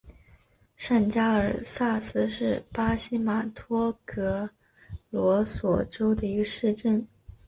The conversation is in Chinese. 上加尔萨斯是巴西马托格罗索州的一个市镇。